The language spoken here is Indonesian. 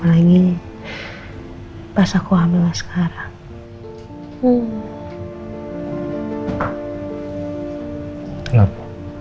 lagi pas aku hamil sekarang